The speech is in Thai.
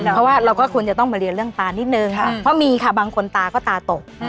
เพราะว่าเราก็ควรจะต้องมาเรียนเรื่องตานิดนึงเพราะมีค่ะบางคนตาก็ตาตก